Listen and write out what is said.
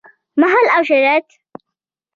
مهال او شرايط: